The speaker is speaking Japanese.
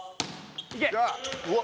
いけ！